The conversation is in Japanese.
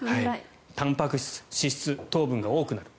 たんぱく質、脂質、糖分が多くなる。